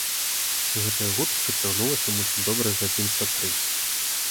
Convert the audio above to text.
Гэтая гутарка цягнулася, мусіць, добрых гадзін са тры.